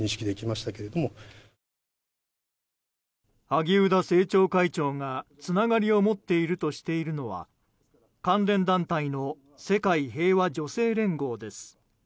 萩生田政調会長がつながりを持っているとしているのは関連団体の世界平和女性連合です。